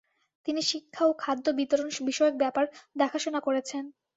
তিনি শিক্ষা ও খাদ্য বিতরণ বিষয়ক ব্যাপার দেখাশোনা করেছেন।